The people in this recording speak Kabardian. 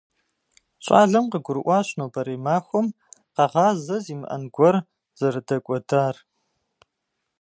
Щӏалэм къыгурыӀуащ нобэрей махуэм къэгъазэ зимыӀэн гуэр зэрыдэкӀуэдар.